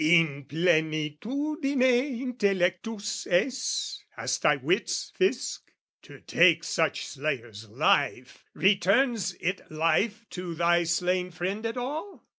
In plenitudine intellectus es? Hast thy wits, Fisc? To take such slayer's life, Returns it life to thy slain friend at all?